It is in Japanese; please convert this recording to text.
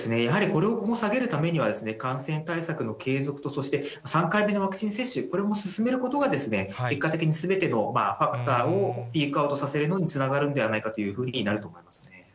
やはりこれを下げるためには、感染対策の継続と、そして３回目のワクチン接種、これも進めることが、結果的にすべてのファクターをピークアウトさせるのにつながるんではないかというふうになると思いますね。